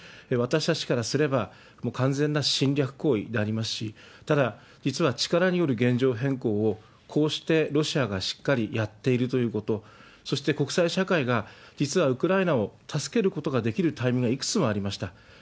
私たちからすれば、もう完全な侵略行為でありますし、ただ、実は力による現状変更を、こうしてロシアがしっかりやっているということ、そして国際社会が、実はウクライナを助けることができるタイミングがいくつもありました。